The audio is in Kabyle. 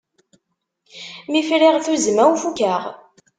Mi friɣ ttuzma-w fukeɣ.